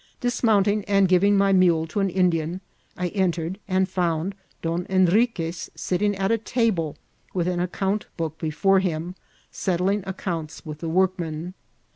Dismounting and giving my mule to an Indian, I entered and found Don Hen riques sitting at a table with an account book before him, settling accounts with the workmen.